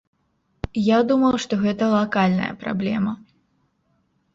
Я думаў, што гэта лакальная праблема.